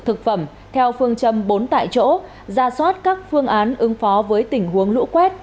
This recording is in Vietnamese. thực phẩm theo phương châm bốn tại chỗ ra soát các phương án ứng phó với tình huống lũ quét